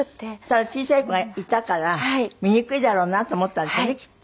ただ小さい子がいたから見にくいだろうなと思ったんでしょうねきっと。